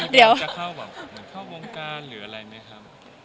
มีแบบจะเข้าวงการหรืออะไรไหมค่ะ